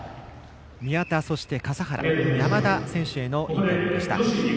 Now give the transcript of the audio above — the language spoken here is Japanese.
宮田、そして笠原山田選手へのインタビューでした。